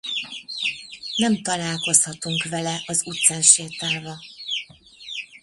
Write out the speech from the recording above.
Nem találkozhatunk vele az utcán sétálva.